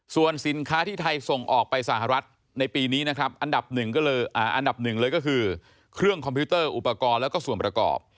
ส่วนสินค้าที่ไทยส่งออกไปสหรัฐในปีนี้อันดับหนึ่งก็คือเครื่องคอมพิวเตอร์อุปกรณ์และส่วนประกอบ